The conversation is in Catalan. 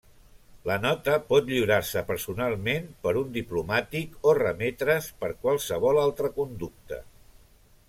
La nota pot lliurar-se personalment per un diplomàtic o remetre's per qualsevol altre conducte.